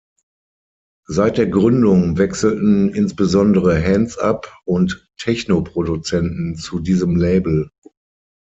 Seit der Gründung wechselten insbesondere Hands Up- und Techno-Produzenten zu diesem Label.